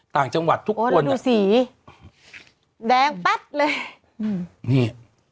แดงปั๊ดเลย